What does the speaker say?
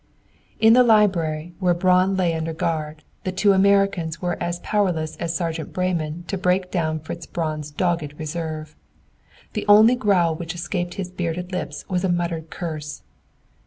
In the library, where Braun lay under guard, the two Americans were as powerless as Sergeant Breyman to break down Fritz Braun's dogged reserve. The only growl which escaped his bearded lips was a muttered curse.